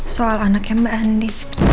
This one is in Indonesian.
soal anaknya mbak andi